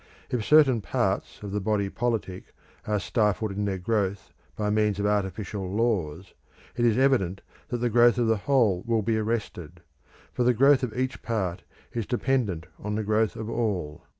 If certain parts of the body politic are stifled in their growth by means of artificial laws, it is evident that the growth of the whole will be arrested; for the growth of each part is dependent on the growth of all.